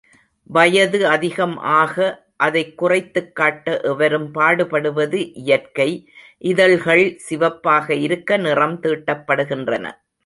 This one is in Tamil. வயது அதிகம் ஆக அதைக் குறைத்துக் காட்ட எவரும் பாடுபடுவது இயற்கை இதழ்கள் சிவப்பாக இருக்க நிறம் தீட்டப்படுகின்றன.